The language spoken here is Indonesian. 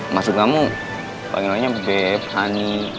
maksud kamu panggilannya beb honey